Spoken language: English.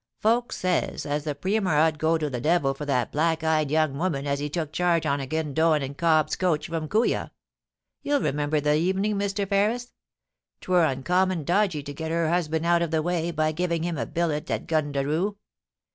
* Folks say as the Premier 'ud go to the devil for that black eyed young woman as he took charge on agoin' down in Cobb's coach from Kooya. You'll remember the evening, Mr. Ferris. 'Twur uncommon dodgy to get her husband out of the way by giving him a billet at Gun daroo.